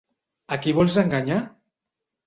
A qui vols enganyar?